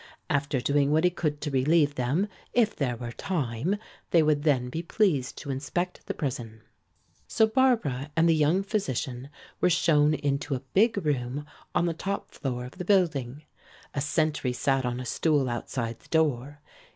After doing what he could to relieve them, if there were time, they would then be pleased to inspect the prison. So Barbara and the young physician were shown into a big room on the top floor of the building. A sentry sat on a stool outside the door.